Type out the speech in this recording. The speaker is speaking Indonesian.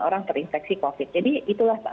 orang terinfeksi covid jadi itulah